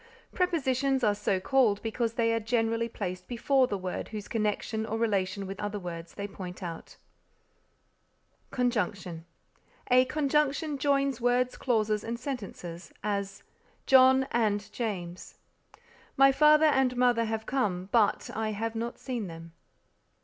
Prepositions are so called because they are generally placed before the words whose connection or relation with other words they point out. CONJUNCTION A conjunction joins words, clauses and sentences; as "John and James." "My father and mother have come, but I have not seen them."